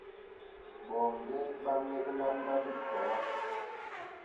Boñge ba ñeglana bikoga.